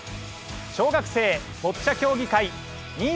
「小学生ボッチャ競技会２０２２」。